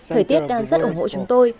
thời tiết đang rất ủng hộ chúng tôi